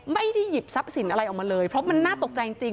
ไม่ได้หยิบทรัพย์สินอะไรออกมาเลยเพราะมันน่าตกใจจริง